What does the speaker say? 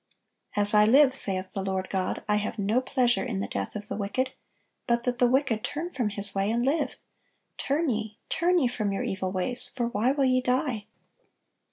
"As I live, saith the Lord God, I have no pleasure in the death of the wicked; but that the wicked turn from his way and live: turn ye, turn ye from your evil ways; for why will ye die?"